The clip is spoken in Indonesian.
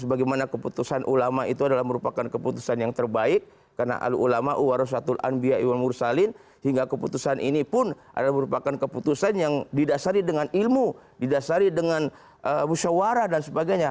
sebagaimana keputusan ulama itu adalah merupakan keputusan yang terbaik karena alu ulama uwara satul anbiya iwan mursalin hingga keputusan ini pun adalah merupakan keputusan yang didasari dengan ilmu didasari dengan musyawarah dan sebagainya